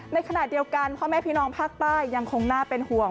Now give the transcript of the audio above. ในขณะเดียวกันพ่อแม่พี่น้องภาคใต้ยังคงน่าเป็นห่วง